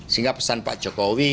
sehingga pesan pak jokowi